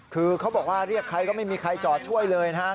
คือเขาบอกว่าเรียกใครก็ไม่มีใครจอดช่วยเลยนะครับ